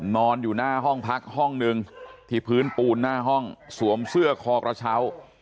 นอนอยู่หน้าห้องพักห้องหนึ่งที่พื้นปูนหน้าห้องสวมเสื้อคอกระเช้า